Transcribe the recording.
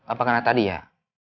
apa kena tadi ya